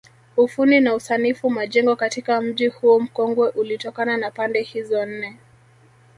Ufundi na usanifu majengo katika mji huu mkongwe ulitokana na pande hizo nne